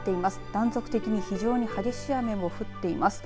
断続的に非常に激しい雨も降っています。